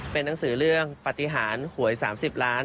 เป็นหนังสือเรื่องปฏิหารหวย๓๐ล้าน